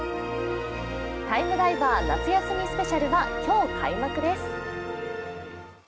「タイムダイバー夏休みスペシャル」は今日開幕です。